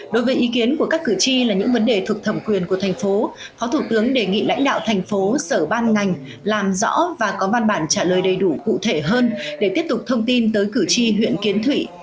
đối với ý kiến của các cử tri là những vấn đề thuộc thẩm quyền của thành phố phó thủ tướng đề nghị lãnh đạo thành phố sở ban ngành làm rõ và có văn bản trả lời đầy đủ cụ thể hơn để tiếp tục thông tin tới cử tri huyện kiến thụy